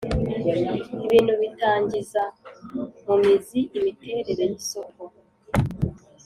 ibintu bitangiza mu mizi imiterere y’isoko